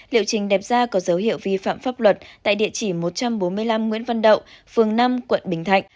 liệu trình đẹp ra có dấu hiệu vi phạm pháp luật tại địa chỉ một trăm bốn mươi năm nguyễn văn đậu phường năm quận bình thạnh